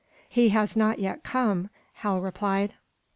"He has not yet come," Hal replied.